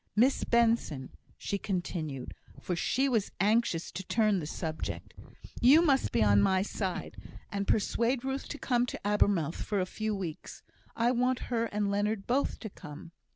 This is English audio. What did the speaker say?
Miss Benson," she continued, for she was anxious to turn the subject, "you must be on my side, and persuade Ruth to come to Abermouth for a few weeks. I want her and Leonard both to come."